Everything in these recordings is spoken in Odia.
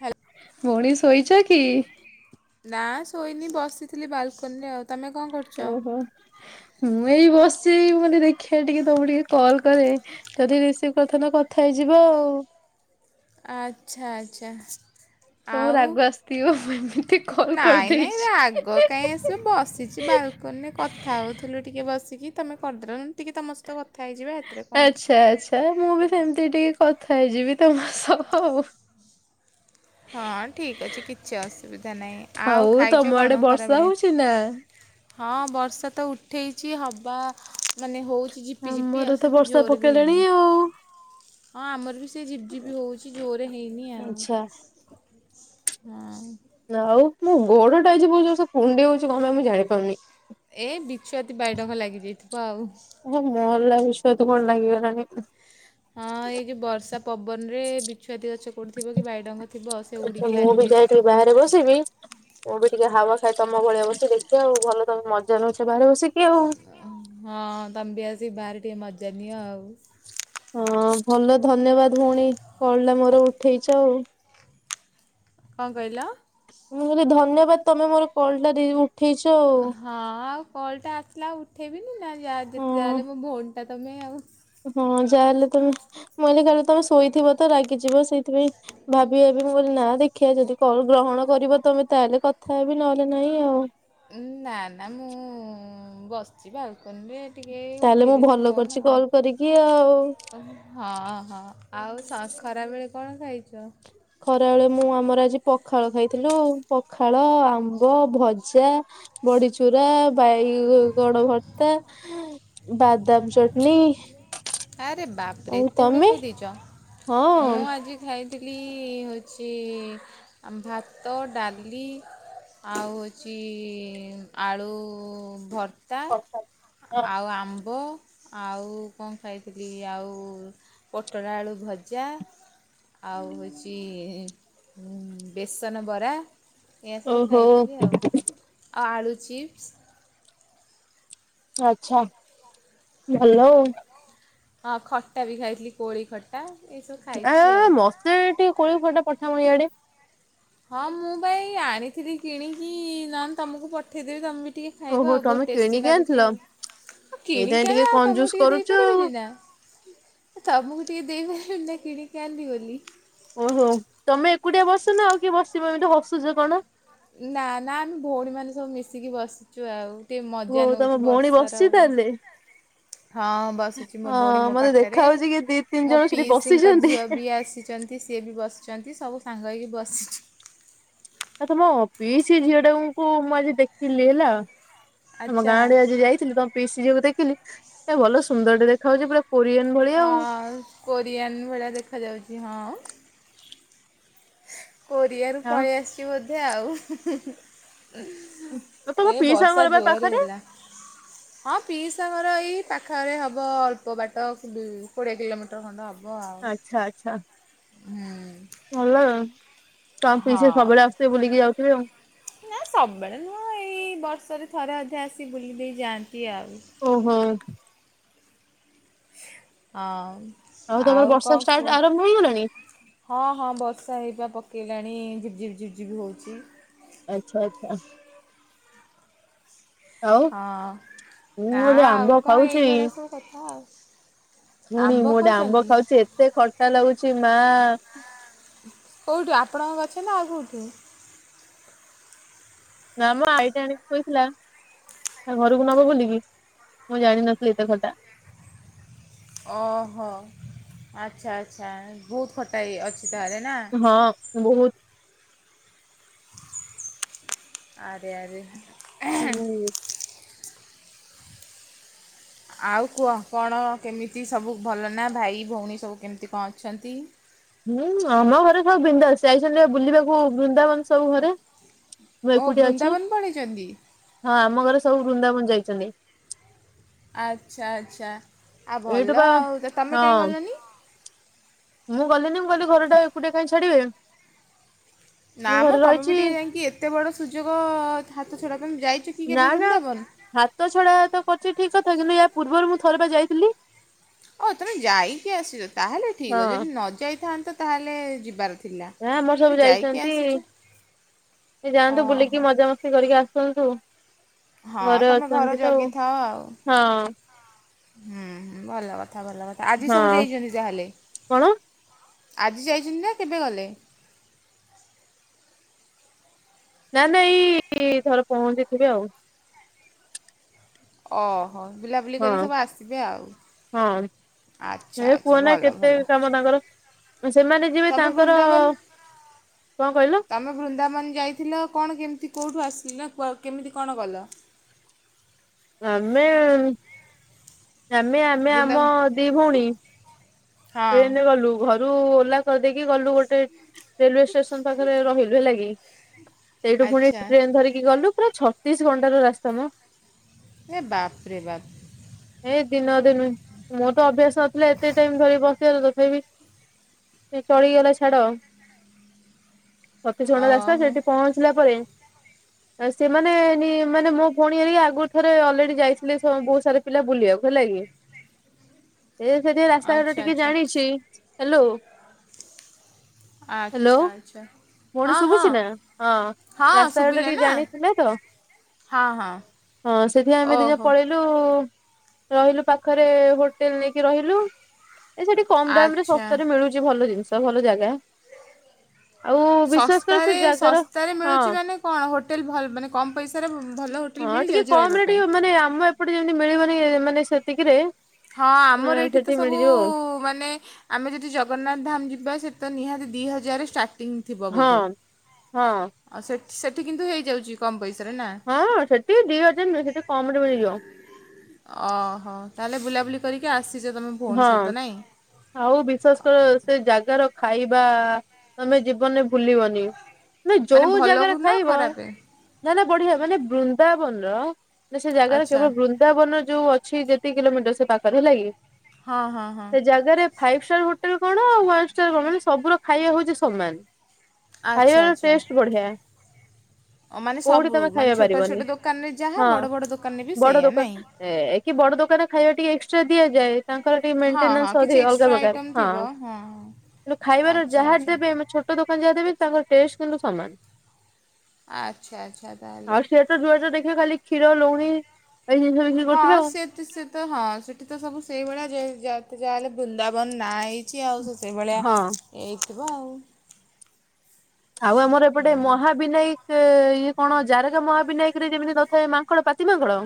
ହ୍ୟାଲୋ ଭଉଣୀ ଶୋଇଚ କି? ନା ଶୋଇନି ବସିଥିଲି ବାଲ୍କୋନିରେ ଆଉ। ତମେ କଁ କର୍ ଓହୋ ମୁଁ ଏଇ ବସ୍ଚି। ମୁଁ କହିଲି ଦେଖିଆ ଟିକେ ତମକୁ ଟିକେ କଲ୍ କରେ। ଯଦି ରିସିଭ୍ କରଥାନ୍ତ କଥା ହେଇଯିବା ଆଉ। ଆଚ୍ଛା। ଆଚ୍ଛା। ତମକୁ ଆଉ ରାଗ ଆସିଥିବ ମୁଁ ଏମିତି କଲ୍ ନାଇଁ ନାଇଁ କରିଦେଇଛି। ରାଗ କାହିଁ ଆସିବ। ବସିଚି ବାଲ୍ ଫୋନ୍ରେ କଥା ହଉଥିଲୁ ଟିକେ ବସିକି ତମେ କରିଦେଲ। ଟିକେ ତମ ସହିତ କଥା ହେଇଯିବା। ଏଥିରେ କଣ ଅଛି। ଆଚ୍ଛା। ଆଚ୍ଛା। ମୁଁ ବି ସେମିତି ଟିକେ କଥା ହେଇଯିବି ତମ ସହ। ହଁ ଠିକ୍ ଅଛି। କିଛି ଅସୁବିଧା ନାହିଁ। ଆଉ ତମ ଖାଇଛ ଆଡେ କଣ ବର୍ଷା ଖରାବେଳେ? [unintelligible] ହଁ ବର୍ଷା ତ ଉଠେଇଛି ହବ ମାନେ ହଉ ଝିପି ଝିପି ଆମର ଆଉ ତ ସେତେ ବର୍ଷା ଜୋର ବି ପକେଇଲାଣି ହେଇନି। ଆଉ। ହଁ ଆମର ବି ସେ ଝିପ୍ ଝିପ୍ ହଉଚି। ଜୋରେ ହେଇନି ଆଚ୍ଛା ଆଉ। ହଁ। ନା ଆଉ। ମୋ ଗୋଡ଼ଟା ଆଜିି ବହୁ ଜୋର୍ସେ କୁଣ୍ଡେଇ ହଉଚି କଣ ପାଇଁ ମୁଁ ଜାଣିପାରୁନି? ଏ ବିଛୁଆତି, ବାଇଡଙ୍ଗ ଲାଗି ଯାଇଥିବ ଆଉ। [unintelligible] ମଲା ବିଛୁଆତି କଣ ଲାଗି ଗଲାଣି? ହଁ ଏଇ ଯୋଉ ବର୍ଷା ପବନରେ ବି ଛୁଆତି ଗଛ କେଉଁଠି ଥିବ କି ବାଇଡଙ୍ଗ ଥିବ, ସେ ଉଡିକି ଲାଗିଯାଇଥିବ। ଘରେ ବସିବି। ମୁଁ ବି ଟିକେ ହାୱା ଖାଏ ତମ ଭଳିଆ ବସି ଦେଖିଆ ଆଉ। ଭଲ ତମେ ମଜା ନେଉଛ ବାହାରେ ବସିକି। ଆଉ। ହଁ ତମେ ବି ଆସି ବାହାରେ ଟିକେ ମଜା ନିଆ ଆଉ। ହଁ ଭଲ ଧନ୍ୟବାଦ ଭଉଣୀ କଲ୍ଟା ମୋର ଉଠେଇଚ ଆଉ। କଣ କହିଲ? ମୁଁ ବୋଧେ ଧନ୍ୟବାଦ ତମେ ମୋର କଲ୍ ଟା ଦି ଉଠେଇଛ ଆଉ। ହଁ ଆଉ କଲ୍ ଟା ଆସିଲା ଆଉ ଉଠେଇବିନି ନା ଯେତେ ଯାହା ହେଲେ ମୋ ଭଉଣି ଟା ତୁମେ ଆଉ। ହଁ ଯାହାହଲେ ତମେ ମଇହିଲି ଖାଲି ତମେ ଶୋଇଥିବ ତ ରାଗିଯିବ ସେଇଥିପାଇଁ। ଭାବି ଭାବି ମୁଁ କହିଲି ନା ଦେଖିବା ଯଦି କଲ୍ ଗ୍ରହଣ କରିବ ତମେ ତାହେଲେ କଥା ହେବି ନହେଲେ ନହିଁ ଆଉ। ନା ନା ମୁଁ ବସିଛି ବାଲକୁନିରେ। ତାହେଲେ ମୁଁ ଭଲ କରିଛି କଲ୍ କରିକି ଆଉ। ହଁ ହଁ ଆଉ ସ ଖରାବେଳେ କଣ ଖାଇଛ? ଖରା ବେଳେ ମୁଁ ଆମର ଆଜି ପଖାଳ ଖାଇଥିଲୁ ପଖାଳ ଆମ୍ବ ଭଜା। ବଢି ଚୁରା ବାଇ ଗଣ ଭର୍ତ୍ତା। ବାଦାମ ଚଟଣି। ଆରେ ବାପରେ ଆଉ ଏତେ ଗୁଡେ ତମେ ଖାଇଦେଇଛ ମୁଁ ହଁ ଆଜି ମୁଁ ଖାଇଥିଲି ହୋଉଛି ଭାତ ଡାଲି। ଆଉ ହୋଉଛି ଆଳୁ ଭର୍ ତା ଆଉ ଆମ୍ବ ଆଉ କଣ ଖାଇଥିଲି ଆଉ ପୋଟଳ ଆଳୁ ଭଜା। ଆଉ ହୋଉଛି ବେସନ ବରା। ଏହାସବୁ ଓହୋ। ଖାଇଥିଲି ଆଉ ଆଳୁ ଚିପ୍ସ। ଆଚ୍ଛା ଭଲ ଆଉ। ହଁ ଖଟ୍ଟା ବି ଖାଥିଲି କଳି ଖଟ୍ ହାଁ ଏସଗ୍ ଆ ମତେ ଟିକେ କୋଳି ଖଟା ପଠାମ ଇଆଡ଼େ। ହଁ ମୁଁ ଭାଇ ଆଣିଥିଲି କିଣିକି ନହେଲେ ତମକୁ ପଠେଇଦେବି ତମେ ଟିକେ ଖାଇବ ଓହୋ ଆଉ ତମେ ବହୁତ ଟେଷ୍ଟି କିଣିକି ଲାଗୁଛି ଆଣିଥିଲ ଆଉ। ହଁ ଏଇଥିପାଇଁ କିଣିକି ଟିକେ ଆଣ ଆଉ ତମକୁ କଞ୍ଜୁସ ଟିକେ କରୁଛ ଆଉ ଦେଇପାରିବିନି ନା। ତମକୁ ଟିକେ ଦେଇପାରିବିନି ନା କିଣି କି ଆଣିଲି ବୋଲି। ଓହୋ ତମେ ଏକୁଟିଆ ବସନ ଆଉ କିଏ ବସିବ ଏମିତି ହସୁଛ କଣ? ନା ନା ଆମେ ଭଉଣୀ ମାନେ ସବୁ ମିଶିକି ବସି ଚୁ ଆଉ ଟିକେ ଓ ମଜା ତମ ନଉଛୁ ଭଉଣୀ ବର୍ଷ ର ବସିଛି ଆଉ। ତାହେଲେ ହଁ ବସିଛି ମୋ ଅ ଭଉଣୀ ମୋ ମତେ ଦେଖା ପାଖରେ ହଉଛି କି ଦି ତିନି ମୋ ଜଣ ସେଠି ପିଇସିଙ୍କ ବସିଛନ୍ତି ଝିଅ ବି ଆସିଛନ୍ତି। ଯେ ସିଏ ବି ବସିଛନ୍ତି ସବୁ ସାଙ୍ଗ ହେଇକି ବସିଚୁ। ଆ ତମ ପିଇସ୍ ଝିଅ ଟାଙ୍କୁ ମୁଁ ଆଜି ଦେଖିଲି ହେଲା। ଆମ ଗାଁ ଆଚ୍ଛା ଆଡେ ଆଜି ଯାଇଥିଲୁ ତମ ପିଇସି ଝିଅକୁ ଦେଖିଲି ଏ ଭଲ ସୁନ୍ଦର ଟେ ଦେଖା ହୋଉଛି ପୁରା। କୋରିଆନ୍ ଭଳି। ଆଉ ହଁ କୋରିଆନ ଭଳିଆ ଦେଖାଯାଉଛି ହଁ। କୋରିଆରୁ ଆଉ ପଳେଇ ଆସିଛି ବୋଧେ ଆଉ। ତ ତମ ଏ ପିଇସା ବର୍ଷା ଘର ପା ଜୋରରେ ପାଖରେ। ହେଲା। ହଁ ପିଇସା ଘର ଏଇ ପାଖରେ ହବ ଅଳ୍ପ ବାଟ କୋଡ଼ିଏ କିଲୋମିଟର। ତ କଣ ଟେ ହବ ଆଉ। ଆଚ୍ଛା ଆଚ୍ଛା। ହୁଁ। ଭଲ ଆଉ ତମ୍ ପିଇସା ହଁ। ସବୁବେଳେ ଆସୁଥିବେ ବୁଲିକି ଯାଉଥିବେ ଆଉ। ନା ସବୁବେଳେ ନୁହ ଏଇ ବର୍ଷରେ ଥରେ ଅଧେ ଆସି ବୁଲି ଦେଇ ଯାଆନ୍ତି ଆଉ। ଓହୋ। ଅ ହଉ ତମର ବର୍ଷା ଷ୍ଟାର୍ଟ ଆରମ୍ଭ ହେଇଗଲାଣି। ହଁ ହଁ ବର୍ଷା ହେଇବା ପକାଇଲାଣି ଝିପଝିପ ଝିଝି ହେଉଛି। ଆଚ୍ଛା ଆଚ୍ଛା। ଆଉ ହଁ ମୁଁ ଆ ଗୋଟେ ଆଉ ଆମ୍ବ କଣ ଖାଉଛି ଏଇଭଳିଆ ସବୁ କଥା ଆଉ। ପୁଣି ଆମ୍ବ ମୁଁ ଗୋଟେ ଆମ୍ବ ଖାଉଛନ୍ତି? ଖାଉଛି ଏତେ ଖଟା ଲାଗୁଛି ମା। କୋଉଠୁ ଆପଣଙ୍କ ଗଛ ନା ଆଉ କୋଉଠୁ? ନା ମଁ ଆଇଟା ଆଣିକି ଥୋଇଥିଲା। ଘରକୁ ନବ ବୋଲିକି ମୁଁ ଜାଣିନଥିଲି ଏତେ ଖଟା। ଓହୋ ଆଚ୍ଛା ଆଚ୍ଛା ବହୁତ ଖଟା ଅଛି ତାହେଲେ ନା? ହଁ ବହୁତ। ଆରେ ଆରେ ହୁଁ। ଆଉ କୁହ କଣ କେମିତି ସବୁ ଭଲ ନା ଭାଇ ଭଉଣୀ ସବୁ କେମିତି କଣ ଅଛନ୍ତି? ହୁଁ ଆମ ଘରେ ସବୁ ବିନ୍ଦାସ ଯାଇଛନ୍ତି ବୁଲିବାକୁ ବୃନ୍ଦାବନ ସବୁ ଘରେ। ମୁଁ ଓ ଏକୁଟିିଆ ଅଛି ବୃନ୍ଦାବନ ପଳେଇଛନ୍ତି ହଁ ଆମ ଘରେ ସବୁ ବୃନ୍ଦାବନ ଯାଇଛନ୍ତି। ଆଚ୍ଛା ଆଚ୍ଛା ଆଉ ଏଇଠୁ ଭଲ ବା ଆଉ ତମେ କାହିଁ ହଁ ଗଲନି? ମୁଁ ଗଲିିନି ମୁଁ କହଲିି ଘରଟା ଏକୁଟିଆ କାଇଁ ଛାଡିବେ? ନା ମୁଁ ମ ଘରେ ତମେ ବି ରହିଛି ଟିକେ ଯାଇକି ଏତେ ବଡ ସୁଯୋଗ ହାତ ଛଡା ପାଇଁ ମୁଁ ଯାଇଛି। ନା ନା ହାତ ଛଡା ତ କରିଛି ଠିକ କଥା କିନ୍ତୁ ୟା ପୂର୍ବରୁ ମୁଁ ଥରେବା ଯାଇଥିଲି। ହଉ ତମେ ଯାଇକି ଆସଛ ତାହେଲେ ଠିକ୍ ହଁ ଅ ଯଦି ନ ଯାଇଥାନ୍ତ ତାହେଲେ ଯିବାର ଥି ନା ଆମର ସବୁ ଯାଇଛନ୍ତି ସେ ଯାଆନ୍ତୁ ବୁଲିକି ଓହୋ। ମଜା ମସ୍ ସ୍ତି କରିକି ଆସନ୍ତୁ। ହଁ ଘରେ ତମେ ଘର ଅଛନ୍ତି ତ ଆଉ ଜଗିଥାଅ ଆଉ। ହୁଁ ହୁଁ ଭଲ କଥା ଭଲ କଥା ହଁ ଆଜି ସବୁ ହଁ ଯାଇଛନ୍ତି ତାହେଲେ। କଣ ଆଜି ଯାଇଛନ୍ତି ନା କେବେ ଗଲେ? ନା ନାଇ ଏଇ ଥର ପହଞ୍ଚିଥିବେ ଆଉ ଓହୋ ବୁଲା ବୁଲି ହଁ କରି ସବୁ ଆସିବେ ଆଉ ହଁ ଆଚ୍ଛା ଏ କୁହ ଆଚ୍ଛା ନା ଭଲ କେତେ ଭଲ। କାମ ତାଙ୍କର? ସେମାନେ ଯିବେ ତମେ ତାଙ୍କର ବୃନ୍ଦାବନ କଣ କହିଲ? ତମେ ବୃନ୍ଦାବନ ଯାଇ ଥିଲ କଣ କେମିତି କେଉଁଠୁ ଆସିଲି କେମିତି କଣ ଗଲ? ଆମେ ଆମେ ଆମେ ବୃନ୍ଦା ଆମ ହଁ ଦି ଭଉଣୀ ଟ୍ରେନରେ ଗଲୁ ଘରୁ ଓଲା କହିଦେଇକି ଗଲୁ ଗୋଟେ ରେଲୱେ ଷ୍ଟେସନ ପାଖରେ ରହିଲୁ ହେଲା କି? ସେଇଠୁ ପୁଣି ଆଚ୍ଛା ଟ୍ରେନ ଧରିକି ଗଲୁ ପୁରା ଛତିଶ ଘଣ୍ଟାର ରାସ୍ତା ମ। ଏ ବାପରେ ବାପ ଏଇ ଦିନ ଦିନ ମୋର ତ ଅଭ୍ୟାସ ନଥିଲା ଏତେ ଟାଇମ ଧରି ବସ ତବ ସେ ଚଳିଗଲା ଛାଡ ଛତିିଶ ଘଣ୍ଟାର ରାସ୍ତା ଓହୋ ସେଠି ପହଞ୍ଚିଲା ପରେ ଆ ସେମାନେ ମାନେ ମୋ ଭଉଣୀ ହେରିକା ଆଗରୁ ଥରେ ଅଲରେଡି ଯାଇଥିଲେ ବହୁତ ସାରା ପିଲା ବୁଲିବାକୁ ହେଲା କି ସେଠି ରାସ୍ତାଘଟ ଆଚ୍ଛା ଟିକେ ଆଚ୍ଛା ଜାଣିଛି ହ୍ୟାଲୋ। ଆଚ୍ଛା ଆଚ୍ଛା। ପୁଣି ହଁ ହଁ ଶୁଭୁଛି ନା ହଁ ହଁ ରାସ୍ତା ଘାଟ ଶୁଭିଲା ଟିକେ ନା ଜାଣିଥିଲେ ତ ହଁ ହଁ ହଁ ସେଇଥିପାଇଁ ଆମେ ଦି ଜଣ ଓହୋ। ପଳେଇଲୁ ରହିଲୁ ପାଖରେ ହୋଟେଲ୍ ନେଇକି ରହିଲୁ ଏ ସେଠି କମ୍ ଦାମ୍ ରେ ଆଚ୍ଛା ସତରେ ମିଳୁଛି ଭଲ ଜିନିଷ ଭଲ ଜାଗା ଆଉ ବିଶ୍ଵାସ କର ସେ ଶସ୍ତାରେ ଜାଗାର ଶସ୍ତାରେ ହଁ ମିଳୁଛି ମାନେ କଣ ହୋଟେଲ୍ ଭଲ ମାନେ କମ୍ ପଇସାରେ ଭଲ ହୋ ହଁ ଟିକେ କମ୍ ରେ ଟିକେ ମାନେ ଆମ ଏପଟେ ଯେମିତି ମିଳିବନି ମାନେ ସେତିକିରେ ହଁ ଆମର ଏଠି ତ ସେଠି ସବୁ ମିଳିଯିବ ଆଉ ମାନେ ଆମେ ଯଦି ଜଗନ୍ନାଥ ଧାମ ଯିବା ସେ ତ ନିହାତି ଦୁଇ ହଜାର ଷ୍ଟାର୍ଟ ହଁ ହଁ ସେଠି ସେଠି କିନ୍ତୁ ହେଇଯାଉଛି କମ୍ ପଇସାରେ ନା ହଁ ସେଠି ଦି ହଜାର ନୁହେଁ ସେଠି କମ୍ ରେ ମିଳିଯିବ ଓହୋ ତା ହେଲେ ବୁଲାବୁଲି କରିକି ଆସିଛ ତମେ ହଁ ଆଉ ବିଶ୍ବାସ କର ସେ ଜାଗାର ଖାଇବା ତମେ ଜୀବନରେ ଭୁଲିବନି ତମେ ମାନେ ଯୋଉ ଭଲକୁ ଜାଗାରେ ନା ଖାଇବ ଖରାପ ନା ନା ବଢ଼ିଆ ମାନେ ବୃନ୍ଦାବନ ର ସେ ଜାଗାରେ ଆଚ୍ଛା କେବଳ ବୃନ୍ଦାବନ ଯୋଉ ଅଛି ଯେତିକି କିଲୋମିଟର ସେ ପାଖରେ ହେଲା କି ହଁ ହଁ ହଁ ସେ ଜାଗାରେ ଫାଇପି ଷ୍ଟାର୍ ହୋଟେଲ୍ କଣ ଆଉ ୱ। ନ୍ ଷ୍ଟାର କଣ ମାନେ ସବୁର ଖାଇବା ହଉଛି ସମାନ ଆଚ୍ଛା ଖାଇବାର ଆଚ୍ଛା ଟେଷ୍ଟେ ବଢ଼ିଆ ମାନେ ସବୁ ମାନେ ଛୋଟ ପାରିବନି ଛୋଟ ଦୋକାନରେ ଯାହା ହଁ ବଡ଼ ବଡ଼ ଦୋକାନରେ ବି ବଡ ସେଇଆ ଦୋକାନ ନାହିଁ ଏ କି ବଡ଼ ଦୋକାନ ଖାଇବା ଟିକେ ଏକ୍ସଟ୍ରା ଦିଆଯାଏ ତାଙ୍କର ଟିକେ ହଁ ହଁ ମେଣ୍ଟେନାନ୍ସ କିଛି ଅଧିକ ଅଲଗା ଏକ୍ସଟ୍ରା ପ୍ରକାର ଆଇଟମ୍ ହଁ ଥିବ ହଁ କିନ୍ତୁ ଖାଇବାର ଆଚ୍ଛା ଯାହା ଆଚ୍ଛା ଦେବେ ଆମେ ଛୋ ଟ ଦୋକାନ ଯା ଦେବେ ତାଙ୍କ ଟେଷ୍ଟ କିନ୍ତୁ ସମାନେ ଆଚ୍ଛା ଆଚ୍ଛା ତାହେଲେ ଜୁଆଡେ ଯାଆ ଦେଖିବ ଖାଲି କ୍ଷୀର ଲୌହୁଣି ହଁ ସେ ସେ ସେ ତ ହଁ ସେଠି ତ ସବୁ ସେଇଭଳିଆ ଯେ ଯା ଯା ଯାହା ହେଲେ ବୃନ୍ଦାବନ ନାହିଁ ଛି ଆଉ ସେ ସେଇଭଳିଆ ହଁ ହେଇଥିବ ଆଉ ଆଉ ଆମର ଏପଟେ ମହାବିନାୟକ ସେ ଇଏ କଣ ଜାରକା ମହାବିନାୟକରେ ଯେମିତି ନଥାଏ ମାଙ୍କଡ଼ ପାତି ମାଙ୍କଡ଼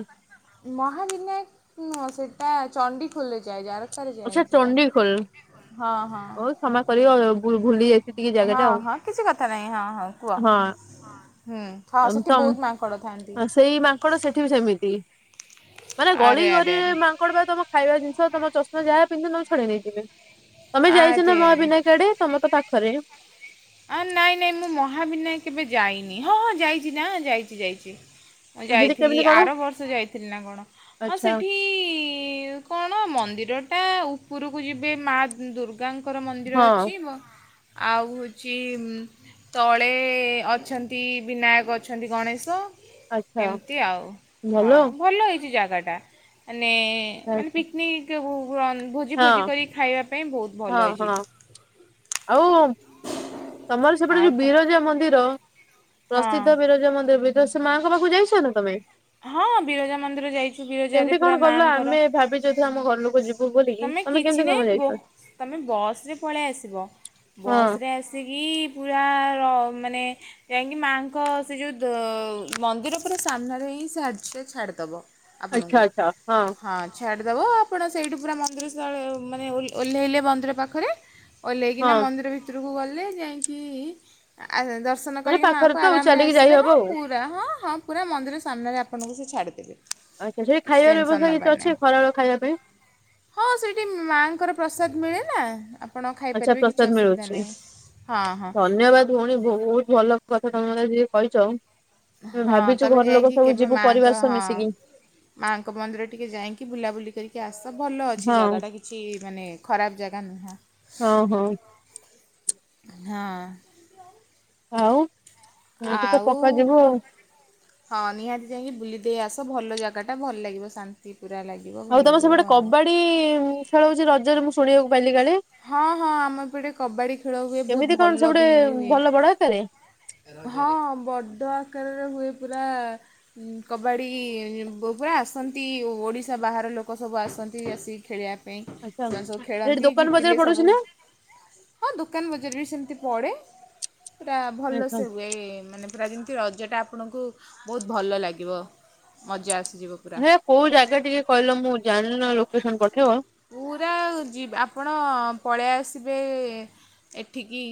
ମହାବିନାୟକ ନୁହ ସେଟା ଚଣ୍ଡିଖୋଲରେ ଯାଏ ଜାରକା ଆଚ୍ଛା ଚଣ୍ଡିଖୋଲ୍ ହଁ ହଉ କ୍ଷମା କରିବ ଭୁଲି ଯାଇଛି ଟିକେ ଜାଗା ହଁ ଟା ହଁ କିଛି କଥା ନାହିଁ ହଁ କୁହ ଆଉ ହଁ ହୁଁ ହଁ ସେଠି ବହୁତ ମାଙ୍କଡ଼ ଥାନ୍ତି ମାଙ୍କଡ଼ ସେଠି ବି ସେମିତି ମାନେ ଗଳି ଆରେ ଗ ଆରେ ଆରେ ମାଙ୍କଡ଼ ତମ ଖାଇବା ଜିନିଷ ତମ ତ ଯାହା ପିନ୍ଧୁ ନ ଛଡେଇ ନେଇଯିବେ ତମେ ଯାଇଛ ନା ଆରେ ଆରେ ମହାବିନାୟକ ଆଡ଼େ ତମ ତ ପାଖରେ ଆ ନାଇଁ ନାଇଁ ମୁଁ ମହାବିନାୟକ କେବେ ଯାଇନି ହଁ ହଁ ଯାଇଛି ନା ଯାଇଛି ଯାଇଛି ମୁଁ ସେଠି ଯାଇଥିଲି କେମିତି କଣ? ଆର ବର୍ଷ ଯାଇଥିଲି ନା କଣ ହଁ ଆଚ୍ଛା। ସେଠି କଣ ମନ୍ଦିର ଟା ଉପରକୁ ଯିବେ ମା ଦୁର୍ଗା ଦୁର୍ଗାଙ୍କର ମନ୍ଦିର ହଁ ଅଛି ଆଉ ଛି ତଳେ ଅଛନ୍ତି ବିନାୟକ ଅଛନ୍ତି ଗଣେଶ ଆଚ୍ଛା ଏମିତି ଆଉ ଭଲ ହଁ ଭଲ ହେଇଚି ଜାଗାଟା ମାନେ ମାନେ ଆଚ୍ଛା ପିକ୍ନିକ୍ ବ ନ ଭୋଜି ଫୋଜି ହଁ କରି ଖାଇବା ପାଇଁ ବହୁତ ହଁ ଭଲ ହୋଇଚି। ହଁ ଆଉ ତମର ସେପଟେ ଆଉ ଯୋଉ କଣ ବିରଜା ମନ୍ଦିର ହଁ। ପ୍ରସିଦ୍ଧ ବିରଜା ମନ୍ଦିର ବି ତ ସେ ମାଆଙ୍କ ପାଖକୁ ଯାଇଚନା ତମେ? ହଁ ବିରଜା ମନ୍ଦିର ଯାଇଚୁ ବିରଜାରେ କେମିତି କଣ ପୁରା ଗଲ ଆମେ ମାଆଙ୍କର ଭାବିଛୁ ଏଥର ଆମ ଘର ଲୋକ ଯିବୁ ବୋଲିକି ତମେ କିଛି କେମିତି କଣ ନାହିଁ ବୋ ଯାଇଛ? ତମେ ବସ୍ ରେ ପଳେଇ ଆସିବ। ବସ୍ ହଁ ରେ ଆସିକି ପୁରା ର ମାନେ ଯାଇକି ମାଙ୍କ ସେ ଯୋଉ ଦ ମନ୍ଦିର ପୁରା ସାମ୍ନାରେ ହିଁ ସେ ଦର୍ଯ୍ୟ ଛାଡିଦବ। ଆଚ୍ଛା ଆପଣଙ୍କୁ ଆଚ୍ଛା ହଁ ଛାଡ଼ିଦବ ଆପଣ ସେଇଠୁ ପୁରା ମନ୍ଦିର ସାୟାଲ୍ୟ ମାନେ ଓ ଓହ୍ଲେଇଲେ ମନ୍ଦିର ପାଖରେ ଓହ୍ଲେଇକିନା ହଁ ମନ୍ଦିର ଭି ଭିତୁରୁକୁ ଗଲେ ଯାଇଁକି ଆ ଦର୍ଶନ ମାନେ କରିକି ପାଖରେ ମାଆଙ୍କୁ ତ ଆଉ ଆରାମରେ ଚାଲିକି ଆସିବେ ଯାଇହବ ହଁ ଆଉ। ପୁ ପୁରା ହଁ ହଁ ପୁରା ମନ୍ଦିର ସାମ୍ନାରେ ଆପଣଙ୍କୁ ସେ ଛାଡିଦେବେ। ଆଚ୍ଛା ସେଠି ଖାଇବାର ବ୍ୟବସ୍ଥା କିଛି ଅଛି ଖରାବେଳ ଖାଇବା ପାଇଁ? ହଁ ସେଇଠି ମାଙ୍କର ପ୍ରସାଦ ମିଳେ ନା ଆପ ଆପଣ ଆଚ୍ଛା ଖାଇପାରିବେ କିଛି ପ୍ରସାଦ ଅସୁବିଧା ମିଳୁଛି ନାହିଁ ହଁ ହଁ। ଧନ୍ୟବାଦ ଭଉଣୀ ବହୁତ ଭଲ କଥା ତମେ ମତେ ଆଯି କହିଚ। ଆମେ ହଁ ଭାବିଚୁ ତୁମେ ଘର ଲୋକ ଯାଇକି ସବୁ କେବେ ଯିବୁ ମାଆଙ୍କ ପରିବାର ସହ ହଁ ମିଶିକି। ମାଆଙ୍କ ମନ୍ଦିର ଟିକେ ଯାଇଁକି ବୁଲାବୁଲି କରିକି କି ଆସ ଭଲ ଅଛି ହଁ ଜାଗାଟା କିଛି ମାନେ ଖରାପ ଜାଗା ନୁହଁ। ଓହୋ। ହଁ। ଆଉ ଏ ବବେ ତ ଆଉ ପକା ଯିବୁ କ ଆଉ। ହଁ ନିହାତି ଯାଇକି ବୁଲିଦେଇ ଆସ ଭଲ ଜାଗା ଟା ଭଲ ଲାଗିବ ଶାନ୍ତି ପୁରା ଲାଗିବ। ଭଲ ଆଉ ତମର ଲାଗିବ ସେପଟେ ଆଉ କବାଡି ଖେଳ ହଉଚି ରଜରେ ମୁଁ ଶୁଣିବାକୁ ପାଇଲି କାଳେ? ହଁ ହଁ ଆମ ଏପଟେ କବାଡ଼ି ଖେଳ ହୁଏ ବହୁତ ଭଲ ବି ହୁଏ। ବଡ଼ ଆକାରେ? ହଁ ବଡ ଆକାରରେ ହୁଏ ପୁରା କବାଡ଼ି ବ ପୁରା ଆସନ୍ତି ଓଡ଼ିଶା ବାହାର ଲୋକ ସବୁ ଆସନ୍ତି ଆସିକି ଖେଳିବା ପାଇଁ ଆଛା ସେମାନେ ସବୁ ସେଠି ଖେଳନ୍ତି ଦୋକାନ ବଜାର ଜିତିଲେ ପଡୁଛି ସବୁ ନା? ହଁ ଦୋକାନ ବଜାର ବି ସେମିତି ପଡ଼େ ପୁରା ଭଲ ଆଛା ସେ ମାନେ ପୁରା ଯେମିତି ରଜଟା ଆପଣଙ୍କୁ ବହୁତ ଭଲ ଲାଗିବ ମଜା ଆସିଯିବ। ପୁରା ହେଁ କୋଉ ଜାଗା ଟିକେ କହିଲ ମୁଁ ଜାଣିଲ ନହେଲେ ଲୋକେସନ୍ ପଠେଇବ। ପୁରା ଯିବା ଆପଣ ପଳେଇ ଆସିବେ ଏଠିକି